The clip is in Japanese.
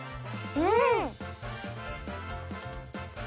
うん！